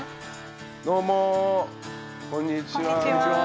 どうもこんにちは。